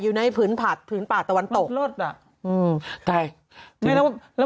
อยู่ในพื้นป่าตาวันตก